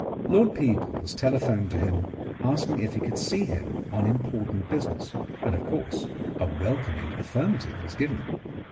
Lord Peebles telephoned to him asking if he could see him on important business, and of course a wel coming affirmative was given.